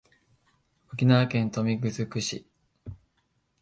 沖縄県豊見城市